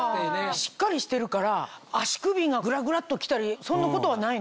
しっかりしてるから足首がグラグラっと来たりそんなことはないの。